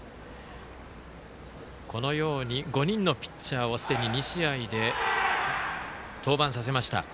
５人のピッチャーをすでに２試合で登板させました。